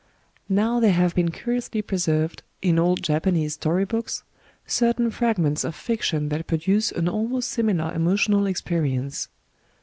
Now there have been curiously preserved, in old Japanese story books, certain fragments of fiction that produce an almost similar emotional experience.